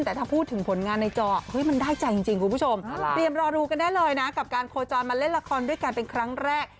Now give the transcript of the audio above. แต่ถ้าพูดถึงผลงานในจอมันได้ใจจริงคุณผู้ชมเตรียมรอดูกันได้เลยนะกับการโคจรมาเล่นละครด้วยกันเป็นครั้งแรก